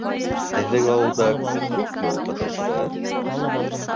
Һеҙҙең ауылда күпме уҡытыусы?